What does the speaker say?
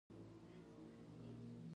اوړه له پخوا زمانو استعمالېږي